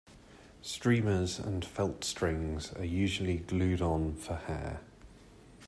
Streamers and felt strings are usually glued on for hair.